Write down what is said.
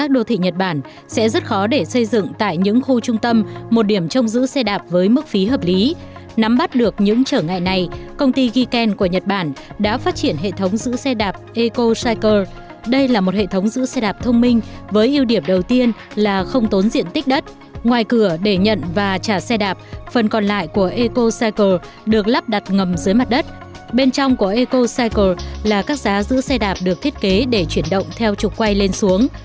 đặt ngầm dưới mặt đất bên trong của ecocycle là các giá giữ xe đạp được thiết kế để chuyển động theo trục quay lên xuống